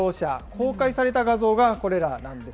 公開された画像がこれらなんです。